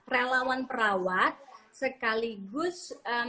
relawan perawat sekaligus